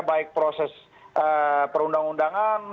baik proses perundang undangan